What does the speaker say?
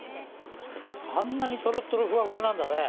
あんなにとろっとろふわふわなんだね。